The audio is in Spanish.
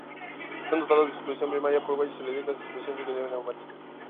Están dotados de suspensión primaria por muelles helicoidales y suspensión secundaria neumática.